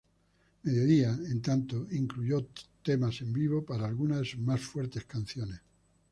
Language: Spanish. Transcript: Mediodía, en tanto, incluyó tomas en vivo para algunas de sus más fuertes canciones.